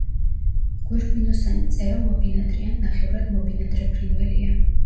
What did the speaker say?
გვირგვინოსანი წერო მობინადრე ან ნახევრად მობინადრე ფრინველია.